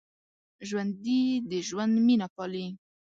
ژوندي د ژوند مینه پالي